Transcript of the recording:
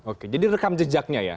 oke jadi rekam jejaknya ya